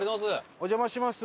お邪魔します。